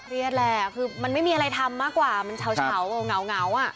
แหละคือมันไม่มีอะไรทำมากกว่ามันเฉาก็เหงาอ่ะ